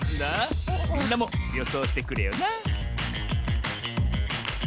みんなもよそうしてくれよな